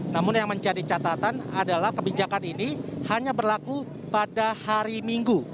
namun yang menjadi catatan adalah kebijakan ini hanya berlaku pada hari minggu